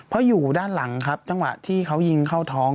เพราะอยู่ด้านหลังครับจังหวะที่เขายิงเข้าท้อง